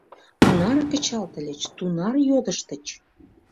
Тунар кычалтыльыч, тунар йодыштыч.